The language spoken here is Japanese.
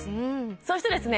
そしてですね